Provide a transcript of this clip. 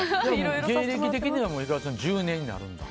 芸歴的には１０年になるんだ。